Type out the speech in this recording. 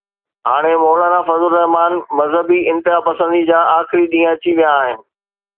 هاڻي مولانا فضل الرحمان مذهبي انتهاپسندي جا آخري ڏينهن اچي ويا آهن